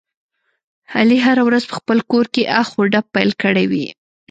علي هره ورځ په خپل کورکې اخ او ډب پیل کړی وي.